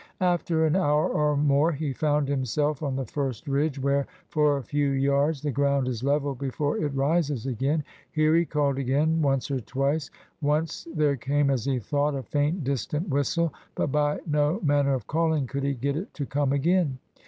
After an hour or more he found himself on the first ridge, where for a few yards the ground is level before it rises again. Here he called again, once or twice. Once there came, as he thought, a faint distant whistle, but by no manner of calling could he get it to come again.